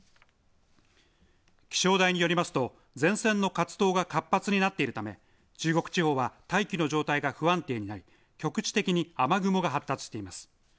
気象台によりますと前線の活動が活発になっているため中国地方は大気の状態が不安定になり、局地的に雨雲が発達しています。